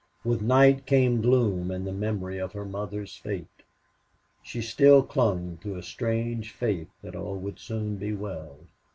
With night came gloom and the memory of her mother's fate. She still clung to a strange faith that all would soon be well.